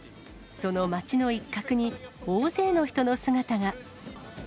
その街の一角に大勢の人の姿が。